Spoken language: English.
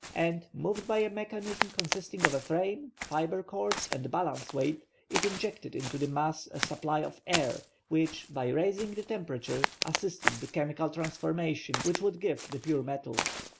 And, moved by a mechanism consisting of a frame, fibre cords, and balance weight, it injected into the mass a supply of air, which, by raising the temperature, assisted the chemical transformation which would give the pure metal.